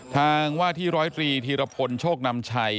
ทางว่าที่ร้อยตรีธีรพลโชคนำชัย